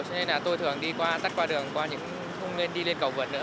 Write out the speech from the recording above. cho nên là tôi thường đi qua cắt qua đường qua những không nên đi lên cầu vượt nữa